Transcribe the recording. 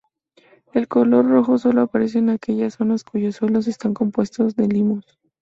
El color rojo sólo aparece en aquellas zonas cuyos suelos están compuestos de limos.